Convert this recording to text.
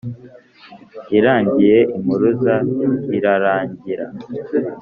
Irangiye "Impuruza" irarangira